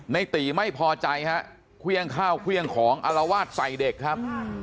ในตีไม่พอใจฮะเครื่องข้าวเครื่องของอารวาสใส่เด็กครับ